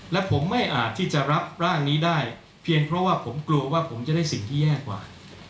และผมไม่อาจที่จะรับร่างนี้ได้เพียงเพราะว่าผมกลัวว่าผมจะได้สิ่งที่แย่กว่า